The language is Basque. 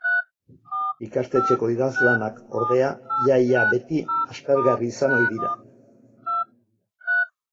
Ikastetxeko idazlanak, ordea, ia-ia beti aspergarri izan ohi dira.